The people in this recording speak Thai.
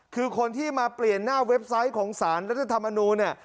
คือคนที่มาเปลี่ยนหน้าเว็บไซต์ของสารรัฐธรรมนูลเนี่ย